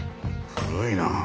古いな。